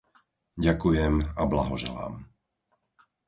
Ďakujem a blahoželám.